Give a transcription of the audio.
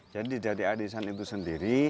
jadi dari arisan itu sendiri